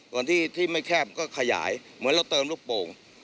ส่วนที่ไม่แคบมันก็ขยายเหมือนเราเติมลูกโป่ง